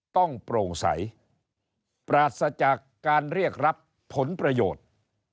โปร่งใสปราศจากการเรียกรับผลประโยชน์